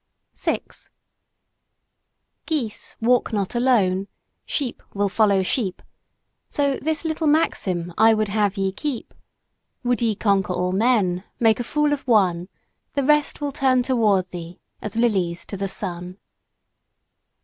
6 Geese walk not alone; sheep will follow sheep; So this little maxim I would have ye keep: Would ye conquer all men, make a fool of one The rest will turn toward thee, as lilies to the sun.